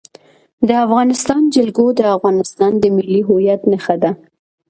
د افغانستان جلکو د افغانستان د ملي هویت نښه ده.